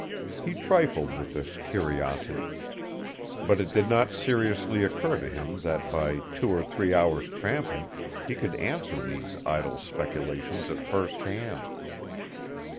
He trifled with this curiosity. But it did not seriously occur to him that by two or three hours' tramping he could answer these idle speculations at first hand.